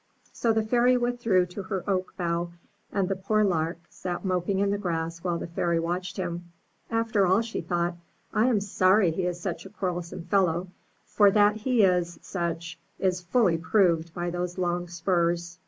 So the Fairy withdrew to her oak bough, and the poor Lark sat moping in the grass while the Fairy watched him. ''After all," she thought, "I am sorry he is such a quarrelsome fellow; for that he is such is fully proved by those long spurs."